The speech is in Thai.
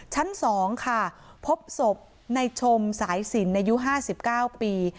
ชั้น๒ค่ะพบศพในชมสายสินอายุ๕๙ปี